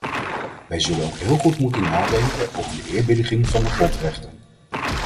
Wij zullen ook heel goed moeten nadenken over de eerbiediging van de grondrechten.